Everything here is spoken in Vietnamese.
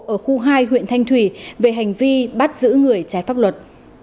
ở khu hai huyện thanh thủy về hành vi bắt giữ người trái pháp luật